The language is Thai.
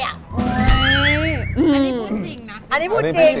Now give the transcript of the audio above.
อันนี้พูดจริงนะ